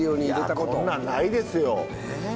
こんなんないですよ。ね。